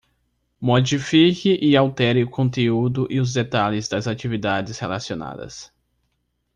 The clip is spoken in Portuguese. Modifique e altere o conteúdo e os detalhes das atividades relacionadas